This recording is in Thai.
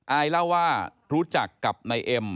อายเล่าว่ารู้จักกับนายเอ็ม